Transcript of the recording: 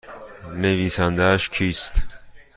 نویسندهاش کیست؟